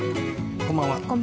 こんばんは。